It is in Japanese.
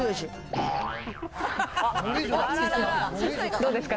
どうですか？